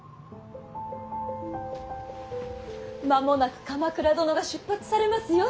間もなく鎌倉殿が出発されますよ。